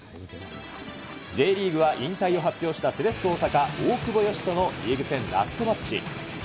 Ｊリーグは引退を発表したセレッソ大阪、大久保嘉人のリーグ戦ラストマッチ。